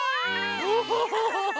ウフフフフ。